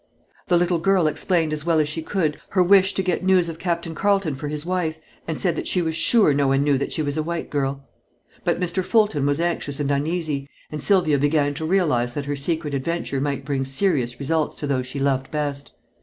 The little girl explained as well as she could her wish to get news of Captain Carleton for his wife, and said that she was sure no one knew that she was a white girl. But Mr. Fulton was anxious and uneasy, and Sylvia began to realize that her secret adventure might bring serious results to those she loved best.